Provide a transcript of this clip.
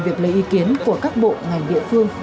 việc lấy ý kiến của các bộ ngành địa phương